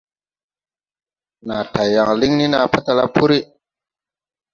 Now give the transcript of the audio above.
Naa tay yaŋ liŋ ni naa patala puri.